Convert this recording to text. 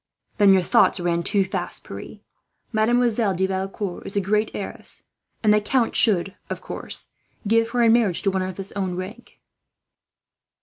"Then your thoughts ran too fast, Pierre. Mademoiselle de Valecourt is a great heiress; and the count should, of course, give her in marriage to one of his own rank."